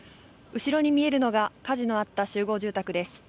後ろに見えるのが、火事のあった集合住宅です。